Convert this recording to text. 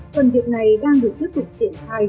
phần việc này đang được tiếp tục triển khai